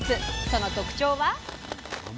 その特徴は。